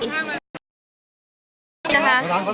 มีแต่โดนล้าลาน